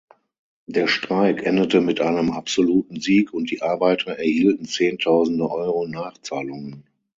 Der Streik endete mit einem absoluten Sieg, und die Arbeiter erhielten zehntausende Euro Nachzahlungen.